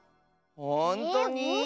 ほんとに？